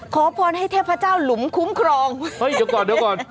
ขอพรให้เทพเจ้าหลุมคุ้มครองเฮ้ยเดี๋ยวก่อนเดี๋ยวก่อน